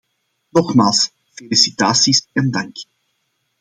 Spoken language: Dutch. Nogmaals, felicitaties en dank.